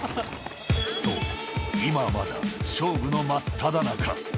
そう、今はまだ勝負の真っただ中。